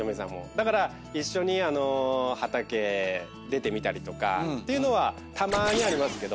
だから一緒に畑出てみたりとかっていうのはたまーにありますけど。